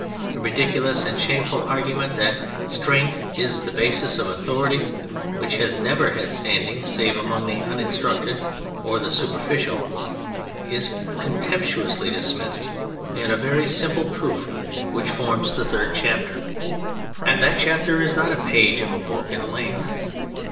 The ridiculous and shameful argument that strength is the basis of authority — which has never had standing save among the uninstructed or the super ficial — is contemptuously dismissed in a very simple proof which forms the third chapter, ROUSSEAU 33 and that chapter is not a page of a book in length.